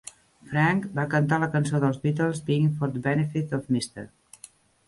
Frank va cantar la cançó dels Beatles "Being for the Benefit of Mr.